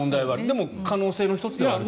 でも可能性の１つではあると。